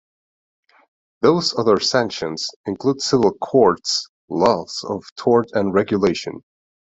Those other sanctions include civil courts, laws of tort and regulation.